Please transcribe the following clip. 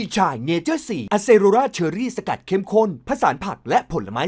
จ้ะใส่เนย